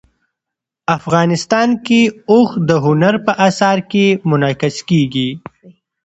افغانستان کې اوښ د هنر په اثار کې منعکس کېږي.